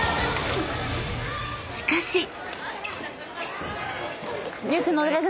［しかし］